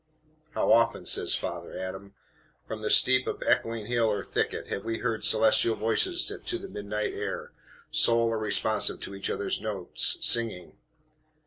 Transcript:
"'How often,' says Father Adam, 'from the steep of echoing hill or thicket, have we heard celestial voices to the midnight air, sole, or responsive to each other's notes, singing!'